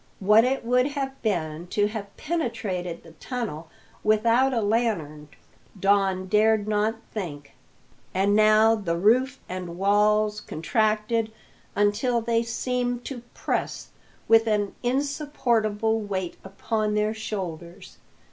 What it would have been to have penetrated the tunnel without a lantern Don dared not think. And now the roof and walls contracted until they seemed to press with an insupportable weight upon their shoulders.